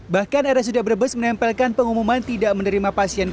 bahkan rsud brebes menempelkan pengumuman tidak menerima pasien covid sembilan belas